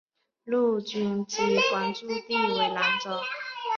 陆军机关驻地为兰州。